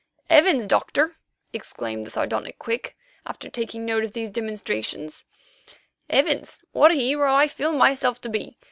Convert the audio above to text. "Heavens! Doctor," exclaimed the sardonic Quick, after taking note of these demonstrations, "Heavens! what a hero I feel myself to be.